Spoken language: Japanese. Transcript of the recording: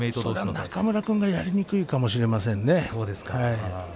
中村君がやりにくいかもしれませんね。